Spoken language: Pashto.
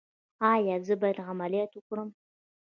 ایا زه باید عملیات وکړم؟